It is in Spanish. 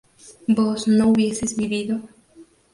¿vos no hubieses vivido?